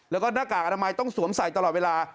แล้วก็หน้ากากอนามัยต้องสวมใส่ตลอดเวลา